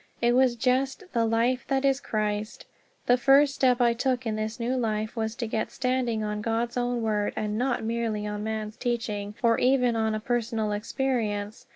It was just "the Life that is Christ." The first step I took in this new life was to get standing on God's own Word, and not merely on man's teaching or even on a personal experience.